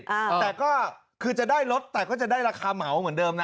อ่าแต่ก็คือจะได้รถแต่ก็จะได้ราคาเหมาเหมือนเดิมนะ